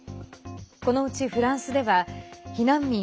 このうちフランスでは避難民